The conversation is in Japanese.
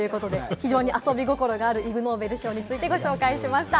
非常に遊び心があるイグ・ノーベル賞について、ご紹介しました。